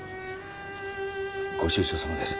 ご愁傷さまです。